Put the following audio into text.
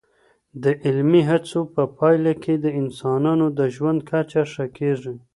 د علمي هڅو په پایله کي د انسانانو د ژوند کچه ښه کیږي.